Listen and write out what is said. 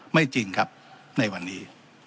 ไม่จริงครับในวันนี้